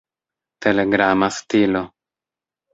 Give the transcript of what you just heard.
Telegrama stilo.